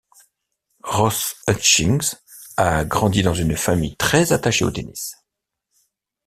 Ross Hutchins a grandi dans une famille très attachée au tennis.